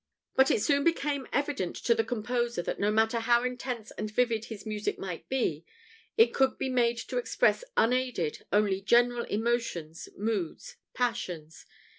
But it soon became evident to the composer that no matter how intense and vivid his music might be, it could be made to express, unaided, only general emotions, moods, passions.